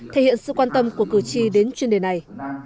thể hiện sự quan tâm của cử tri đến chuyên đề này